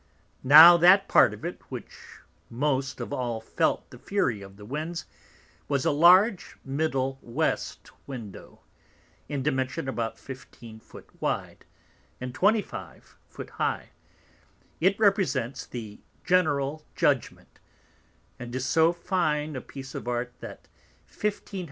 Now that part of it which most of all felt the fury of the Winds, was, a large middle West Window, in Dimension about 15 Foot wide, and 25 Foot high: it represents the general Judgment, and is so fine a piece of Art, that 1500 _l.